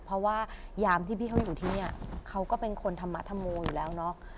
เพราะว่ายามที่พี่เขาอยู่ที่นี่เขาก็เป็นคนธรรมธรโมอยู่แล้วเนาะ